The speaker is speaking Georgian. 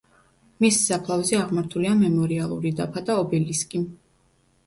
მის საფლავზე აღმართულია მემორიალური დაფა და ობელისკი.